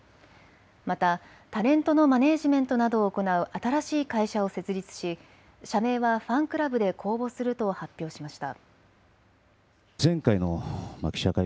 またタレントのマネージメントなどを行う新しい会社を設立し社名はファンクラブで公募すると発表しました。